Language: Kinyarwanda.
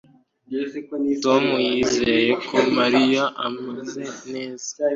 tom yizeye ko mariya ameze neza